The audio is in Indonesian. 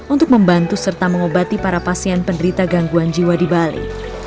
untuk membantu serta mengobati para pasien penderita gangguan jiwa di bali